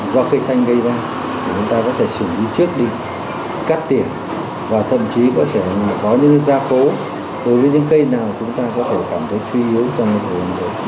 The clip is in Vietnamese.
do cây xanh gây ra thì chúng ta có thể sử dụng đi trước đi cắt điểm và thậm chí có thể có những gia phố đối với những cây nào chúng ta có thể cảm thấy phi hữu cho người dân thủ đô